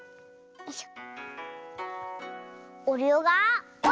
よいしょ。